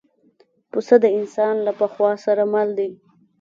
پسه د انسان له پخوا سره مل دی.